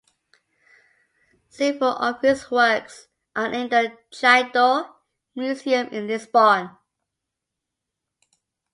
Several of his works are in the Chiado Museum in Lisbon.